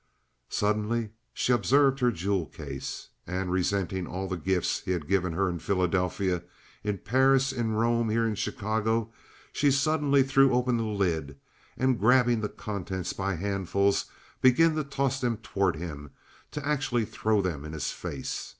Suddenly she observed her jewel case, and, resenting all the gifts he had given her in Philadelphia, in Paris, in Rome, here in Chicago, she suddenly threw open the lid and, grabbing the contents by handfuls, began to toss them toward him—to actually throw them in his face.